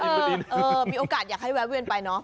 มีโอกาสอยากให้แวะเวียนไปเนอะ